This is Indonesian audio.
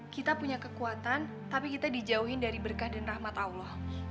kita punya kekuatan tapi kita dijauhin dari berkah dan rahmat allah